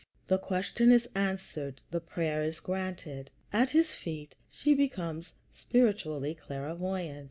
The question is answered; the prayer is granted. At his feet she becomes spiritually clairvoyant.